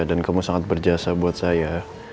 dan kamu sangat berjasa buat saya